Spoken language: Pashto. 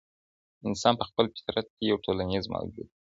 انسان په خپل فطرت کي یو ټولنیز موجود دی.